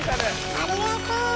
ありがとう！